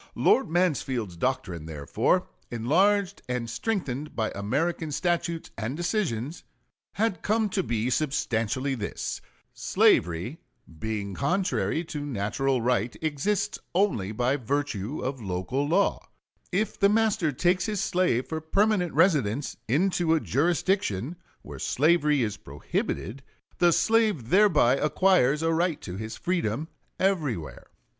Lord Mansfield's doctrine, therefore, enlarged and strengthened by American statutes and decisions, had come to be substantially this: Slavery, being contrary to natural right, exists only by virtue of local law; if the master takes his slave for permanent residence into a jurisdiction where slavery is prohibited, the slave thereby acquires a right to his freedom everywhere.